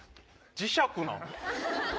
磁石なん？